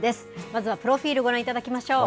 まずはプロフィールをご覧いただきましょう。